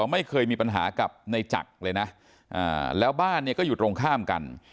ไม่เคยมีปัญหากับในจักรเลยนะแล้วบ้านเนี่ยก็อยู่ตรงข้ามกัน